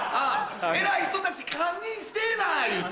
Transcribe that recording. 偉い人たち堪忍してぇな言うて。